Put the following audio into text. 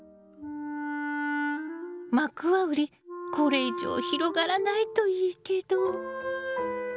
マクワウリこれ以上広がらないといいけど。